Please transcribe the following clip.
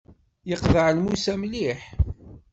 Yeqḍeɛ lmus-a mliḥ.